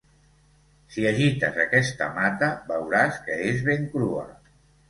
Si agites aquesta mata veuràs que és ben crua.